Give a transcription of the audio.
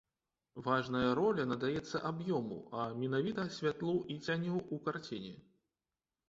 Важная роля надаецца аб'ёму, а менавіта святлу і цяню ў карціне.